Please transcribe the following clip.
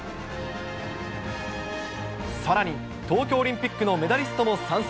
さらに、東京オリンピックのメダリストも参戦。